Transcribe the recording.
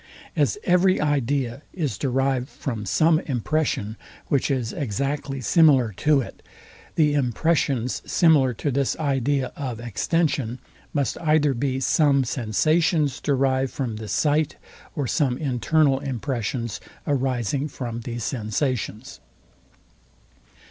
As every idea is derived from some impression, which is exactly similar to it, the impressions similar to this idea of extension, must either be some sensations derived from the sight, or some internal impressions arising from these sensations.